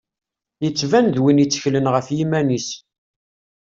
Yettban d win i tteklen ɣef yiman-is.